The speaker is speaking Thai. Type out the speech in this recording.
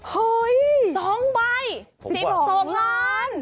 เฮ้ยสองใบสี่หกลาน